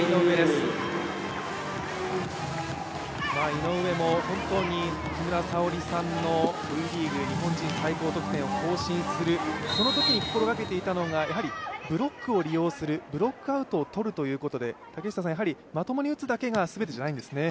井上も本当に木村沙織さんのＶリーグ日本人最高得点を更新するそのときに心がけていたのがブロックを利用する、ブロックアウトをとるということでまともに打つだけがすべてじゃないんですね。